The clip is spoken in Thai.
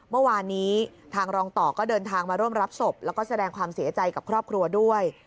เมื่อวานนี้ทางรองต่อก็เดินทางมาร่วมรับศพแล้วก็แสดงความเสียใจกับครอบครัวด้วย